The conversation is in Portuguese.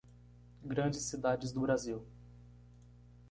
Grandes cidades do Brasil.